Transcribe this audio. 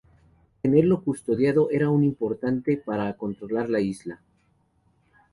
Tenerlo custodiado era importante para controlar la isla.